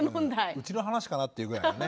うちの話かなっていうぐらいのね。